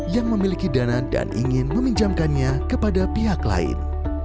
yang memiliki dana dan ingin meminjamkannya kepada pihak lain